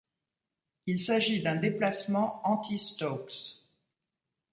Il s'agit d'un déplacement anti-Stokes.